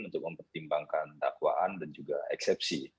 untuk mempertimbangkan dakwaan dan juga eksepsi